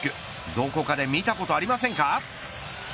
どこかで見たことありませんか。